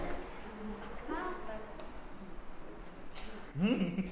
うん！